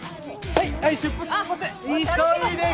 はい。